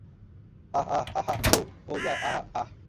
আহ, আহ, আহহাহ, উহ, ওহ ইয়া, আহাহ, আহ।